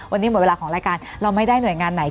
วันนี้หมดเวลาของรายการเราไม่ได้หน่วยงานไหน